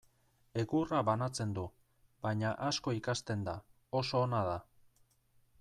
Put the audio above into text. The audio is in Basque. Egurra banatzen du, baina asko ikasten da, oso ona da.